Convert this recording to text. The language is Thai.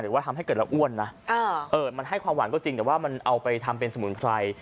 ว่าทำให้เกิดเราอ้วนนะมันให้ความหวานก็จริงแต่ว่ามันเอาไปทำเป็นสมุนไพร